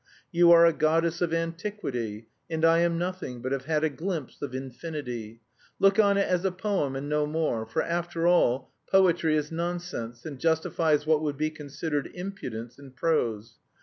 You are a goddess of antiquity, and I am nothing, but have had a glimpse of infinity. Look on it as a poem and no more, for, after all, poetry is nonsense and justifies what would be considered impudence in prose.